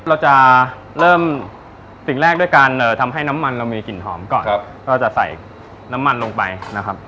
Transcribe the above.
เราจะเริ่มสิ่งแรกด้วยการทำให้น้ำมันเรามีกลิ่นหอมก่อนก็จะใส่น้ำมันลงไปนะครับ